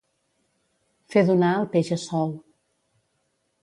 Fer donar el peix a sou.